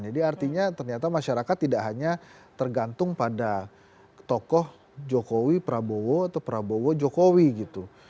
jadi artinya ternyata masyarakat tidak hanya tergantung pada tokoh jokowi prabowo atau prabowo jokowi gitu